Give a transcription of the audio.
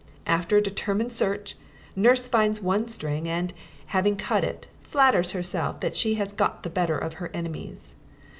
After a determined search, nurse finds one string, and, having cut it, flatters herself that she has got the better of her enemies.